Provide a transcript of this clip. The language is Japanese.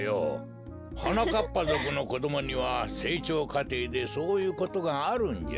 はなかっぱぞくのこどもにはせいちょうかていでそういうことがあるんじゃ。